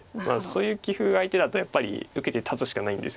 そういう棋風相手だとやっぱり受けて立つしかないんです。